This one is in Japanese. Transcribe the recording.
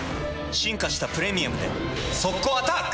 進化した「プレミアム」で速攻アタック！